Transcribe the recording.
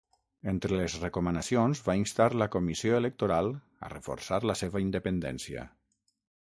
Entre les recomanacions, va instar la comissió electoral a reforçar la seva independència.